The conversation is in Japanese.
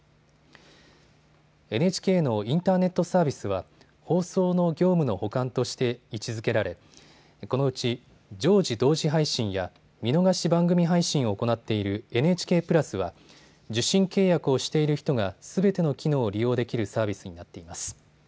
ＮＨＫのインターネットサービスは放送の業務の補完として位置づけられこのうち常時同時配信や見逃し番組配信を行っているＮＨＫプラスは受信契約をしている人がすべての機能を利用できるサービスになっています。